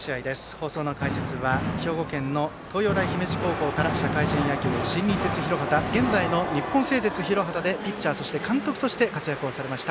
放送の解説は兵庫県の東洋大姫路高校から社会人野球、新日鉄広畑現在の日本製鉄広畑でピッチャー、そして監督として活躍されました